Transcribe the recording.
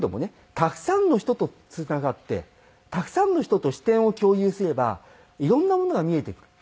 たくさんの人とつながってたくさんの人と視点を共有すればいろんなものが見えてくる。